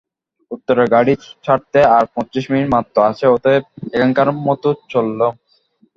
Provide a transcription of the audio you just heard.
উত্তরের গাড়ি ছাড়তে আর পঁচিশ মিনিট মাত্র আছে অতএব এখনকার মতো চললুম।